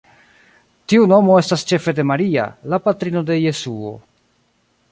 Tiu nomo estas ĉefe de Maria, la patrino de Jesuo.